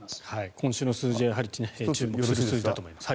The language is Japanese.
今週の数字は注目する数字だと思います。